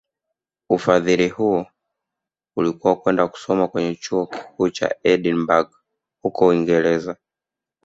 Ufahili huo ulikuwa kwenda kusoma kwenye Chuo Kikuu cha Edinburgh huko Uingereza